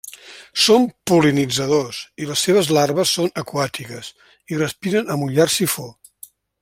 Són pol·linitzadors, i les seves larves són aquàtiques, i respiren amb un llarg sifó.